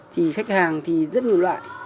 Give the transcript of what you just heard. thì khách hàng thì rất nhiều loại